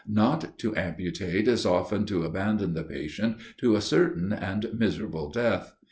Not to amputate is often to abandon the patient to a certain and miserable death.